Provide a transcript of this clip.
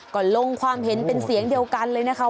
ก็ลงความเห็นเป็นเสียงเดียวกันเลยนะคะ